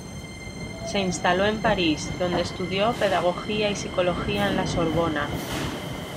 Se instaló en París, donde estudió pedagogía y psicología en la Sorbona.